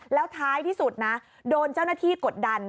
แล้วท้ายที่สุดนะโดนเจ้าหน้าที่กดดัน